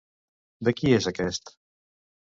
De qui és aquest?